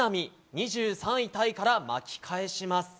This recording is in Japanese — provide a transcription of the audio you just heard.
２３位タイから巻き返します。